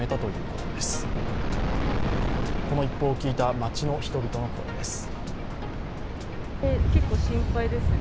この一報を聞いた街の人々の声です。